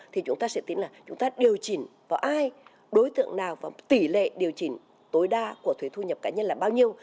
thì chúng ta sẽ tiến là chúng ta điều chỉnh vào ai đối tượng nào và tỷ lệ điều chỉnh tối đa của thuế thu nhập cá nhân là bao nhiêu